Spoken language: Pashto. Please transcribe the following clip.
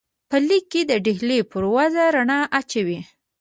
په لیک کې د ډهلي پر وضع رڼا اچوي.